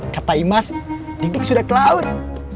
kata imas dik dik sudah ke laut